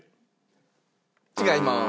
違います。